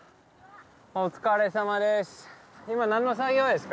お疲れさまです。